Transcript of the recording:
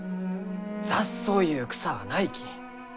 雑草ゆう草はないき。